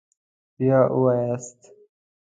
بیا ووایاست